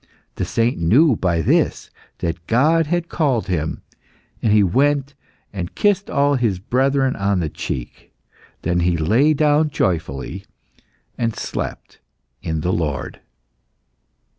The saint knew by this that God had called him, and he went and kissed all his brethren on the cheek. Then he lay down joyfully, and slept in the Lord.